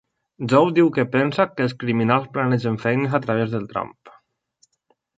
Joe diu que pensa que els criminals planegen feines a través del Trump.